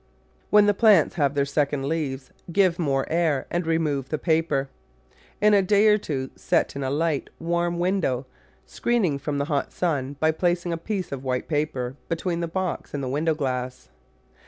When the plants have their second leaves give more air and remove the paper; in a day or two set in a light, warm window, screening from the hot sun by placing a piece of white paper between the box and the window glass.